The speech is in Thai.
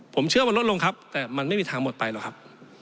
ผมเชื่อว่าลดลงครับแต่มันไม่มีทางหมดไปหรอกครับ